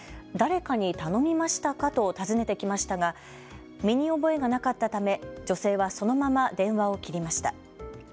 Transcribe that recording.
誰かに頼みましたかと尋ねてきましたが身に覚えがなかったため女性はそのまま電話を切りました。